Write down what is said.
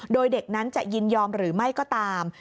โดยเด็กนั้นจะยินยอมหรือไม่ก็ตาม